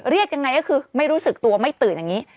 เรียกยังไงก็คือไม่รู้สึกตัวไม่ตื่นอย่างนี้